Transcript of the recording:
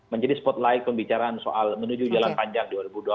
menjadi spotlight pembicaraan soal menuju jalan panjang dua ribu dua puluh